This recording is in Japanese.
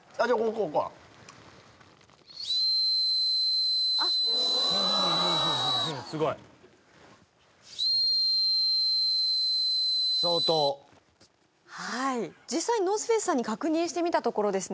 ここかすごい相当はい実際ＮＯＲＴＨＦＡＣＥさんに確認してみたところですね